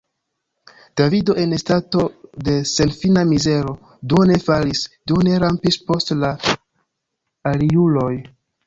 Davido en stato de senfina mizero duone falis, duone rampis post la aliuloj.